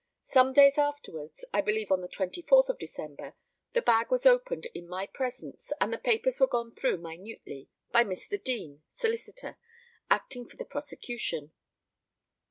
Some days afterwards, I believe on the 24th December, the bag was opened in my presence, and the papers were gone through minutely by Mr. Deane, solicitor, acting for the prosecution.